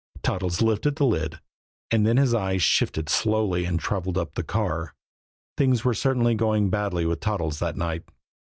Toddles lifted the lid; and then his eyes shifted slowly and traveled up the car. Things were certainly going badly with Toddles that night.